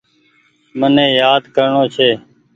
مني يآد ڪرڻو ڇي۔